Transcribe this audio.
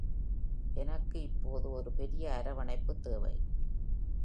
எனக்கு இப்போது ஒரு பெரிய அரவணைப்பு தேவை.